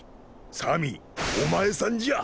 サミーお前さんじゃ！